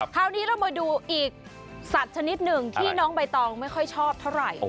คราวนี้เรามาดูอีกสัตว์ชนิดหนึ่งที่น้องใบตองไม่ค่อยชอบเท่าไหร่